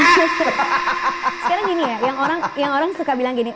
sekarang gini ya yang orang suka bilang gini